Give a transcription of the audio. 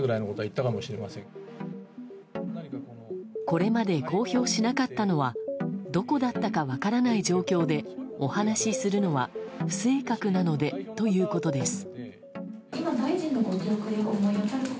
これまで公表しなかったのはどこだったか分からない状況でお話しするのは不正確なのでということです。